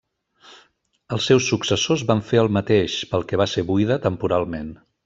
Els seus successors van fer el mateix, pel que va ser buida temporalment.